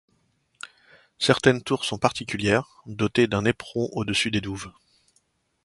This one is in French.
Certaines tours sont particulières, dotées d'un éperon au-dessus des douves.